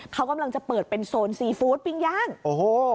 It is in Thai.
เขากำลังจะเปิดเป็นโซนซีฟู้ดปิ้งย่างโอ้โห